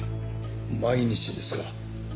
毎日ですか。